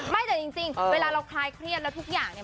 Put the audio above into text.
ไม่แต่จริงเวลาเราคลายเครียดแล้วทุกอย่างเนี่ย